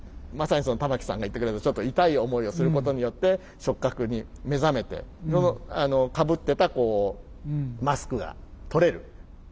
まさに玉木さんが言ってくれたちょっと痛い思いをすることによって触覚に目覚めてかぶってたマスクが取れる。